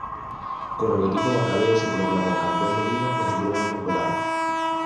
Con el equipo macabeo se proclamó campeón de liga en su primera temporada.